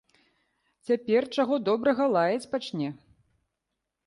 Цяпер, чаго добрага, лаяць пачне.